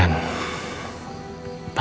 alhamdulillah lancar pak